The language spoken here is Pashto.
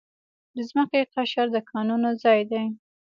د ځمکې قشر د کانونو ځای دی.